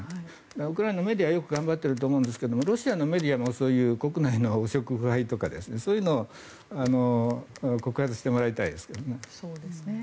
ウクライナメディアはよく頑張っていると思うんですがロシアのメディアもそういう国内の汚職、腐敗とかそういうのを告発してもらいたいですよね。